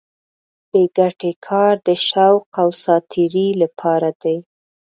بې ګټې کار د شوق او ساتېرۍ لپاره دی.